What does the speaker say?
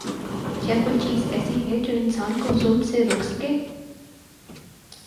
کیا کوئی چیز ایسی ہے جو انسان کو ظلم سے روک سکے؟